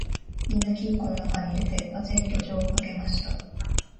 みんな金庫のなかに入れて、ぱちんと錠をかけました